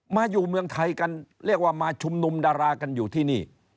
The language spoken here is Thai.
มาอยู่เมืองไทยกันเรียกว่ามาชุมนุมดารากันอยู่ที่นี่